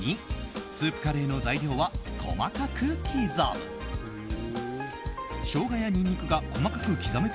スープカレーの材料は細かく刻む。